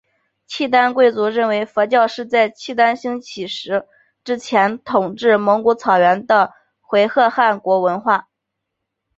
契丹贵族认为佛教是在契丹兴起之前统治蒙古草原的回鹘汗国的文化。